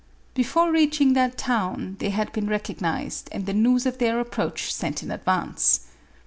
Before reaching that town, they had been recognized and the news of their ap proach sent in advance.